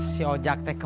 si ojak tekemas